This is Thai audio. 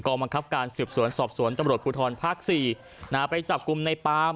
บังคับการสืบสวนสอบสวนตำรวจภูทรภาค๔ไปจับกลุ่มในปาม